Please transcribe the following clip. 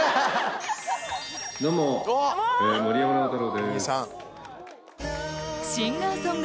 どうも森山直太朗です。